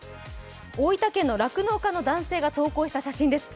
大分県の酪農家の男性が投稿した写真なんです。